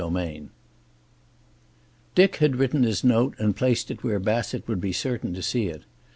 XXXIV Dick had written his note, and placed it where Bassett would be certain to see it.